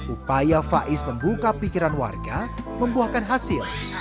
upaya faiz membuka pikiran warga membuahkan hasil